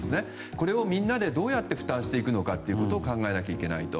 これをみんなでどう負担していくかを考えていかないと。